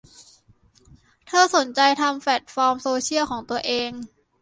เธอสนใจทำแพลตฟอร์มโซเชียลของตัวเอง